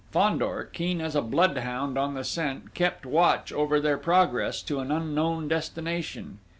Fandor, keen as a bloodhound on the scent, kept watch over their progress to an unknown destination.